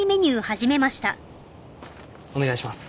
お願いします。